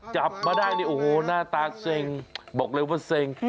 จับมาได้เนี่ยโอ้โหหน้าตาเซ็งบอกเลยว่าเซ็ง